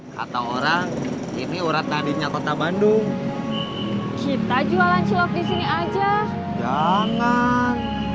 kata orang ini urat nadirnya kota bandung cipta jualan cilok di sini aja jangan